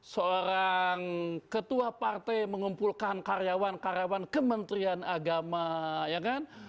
seorang ketua partai mengumpulkan karyawan karyawan kementerian agama ya kan